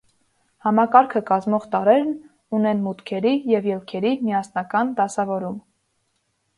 Համակարգը կազմող տարրերն ունեն մուտքերի և ելքերի միասնական դասավորում։